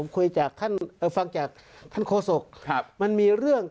ครับผมฟังจากท่านโคสกมันมีเรื่อง